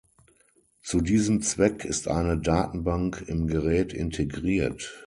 Zu diesem Zweck ist eine Datenbank im Gerät integriert.